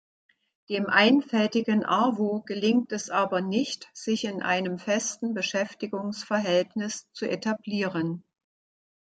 Dem einfältigen Arvo gelingt es aber nicht, sich in einem festen Beschäftigungsverhältnis zu etablieren.